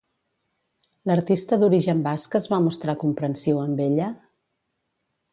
L'artista d'origen basc es va mostrar comprensiu amb ella?